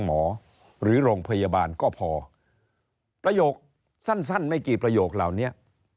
หรือโรงพยาบาลก็พอประโยคสั้นสั้นไม่กี่ประโยคเหล่านี้